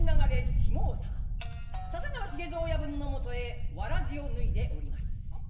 下総笹川繁蔵親分のもとへ草鞋を脱いでおります。